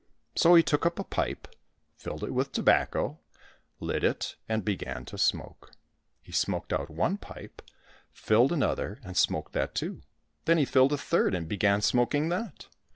So he took up a pipe, filled it with tobacco, lit it, and began to smoke. He smoked out one pipe, filled another, and smoked that too ; then he filled a third, and began smoking that.